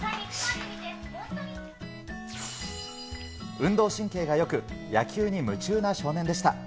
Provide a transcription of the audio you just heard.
運動神経がよく、野球に夢中な少年でした。